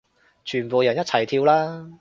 全部人一齊跳啦